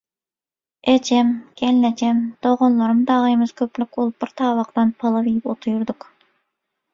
Ejem, gelnejem, doganlarym dagymyz köplük bolup bir tabakdan palaw iýip otyrdyk.